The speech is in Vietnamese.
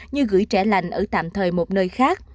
như gửi trẻ lành ở tạm thời một nơi khác